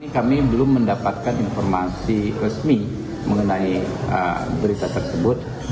kami belum mendapatkan informasi resmi mengenai berita tersebut